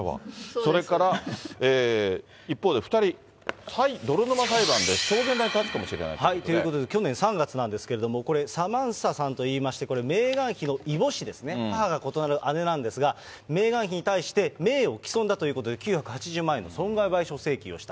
それから一方で２人、泥沼裁判で証言台に立つかもしれないというということで、去年３月なんですけれども、これ、サマンサさんといいまして、これ、メーガン妃の異母姉ですね、母が異なる姉なんですが、メーガン妃に対して、名誉毀損だということで、９８０万円の損害賠償請求をした。